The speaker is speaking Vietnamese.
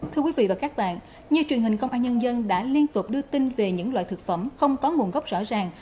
thưa quý vị và các bạn như truyền hình công an nhân dân đã liên tục đưa tin về những loại thực phẩm không có nguồn gốc rõ ràng